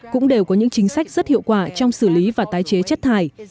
cũng đều có những chính sách rất hiệu quả trong xử lý và tái chế chất thải